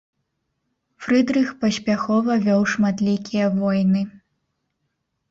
Фрыдрых паспяхова вёў шматлікія войны.